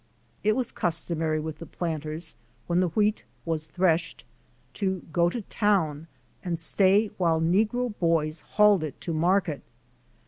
It was customary with the planters when the wheat was threshed to go to town and stay while negro boys hauled it to market.